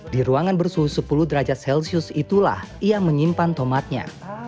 di ruangan bersuhu sepuluh derajat celcius itulah ia menyimpan tomatnya